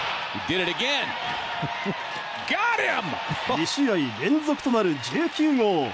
２試合連続となる１９号。